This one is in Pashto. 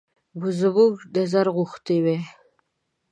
زموږ نظر غوښتی وای.